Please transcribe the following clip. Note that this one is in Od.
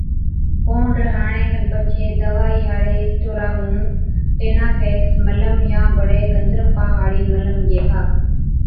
پونڊر هڻڻي کن پڇي دَوائِي هاڙي اسٽورا مُون ٽِينافيڪس ملم يان بڙي گندرفا هاڙِي ملم گيهوا